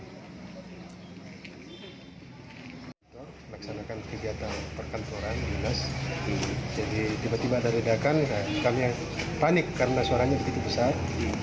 ketika ledakan terjadi kami panik karena suaranya begitu besar